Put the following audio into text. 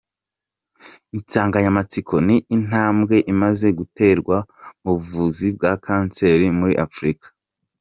Insanganyamatsiko ni: “Intambwe imaze guterwa mu buvuzi bwa Kanseri muri Afurika”.